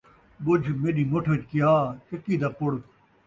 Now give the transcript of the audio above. ٻُجھ میݙی مُٹھ وچ کیا؟ چکی دا پُڑ